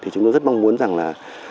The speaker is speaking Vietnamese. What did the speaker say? chúng tôi rất mong muốn rằng là